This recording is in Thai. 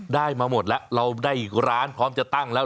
ได้มาหมดแล้วเราได้อีกร้านพร้อมจะตั้งแล้ว